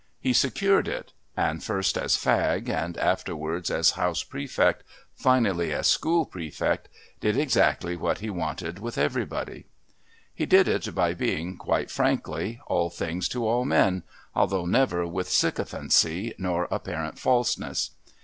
He secured it and, first as fag and afterwards as House prefect, finally as School prefect, did exactly what he wanted with everybody. He did it by being, quite frankly, all things to all men, although never with sycophancy nor apparent falseness.